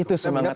itu semangat ya